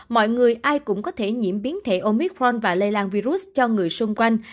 mọi người ai cũng có thể nhiễm biến thể omicron và lây lan virus cho người xung quanh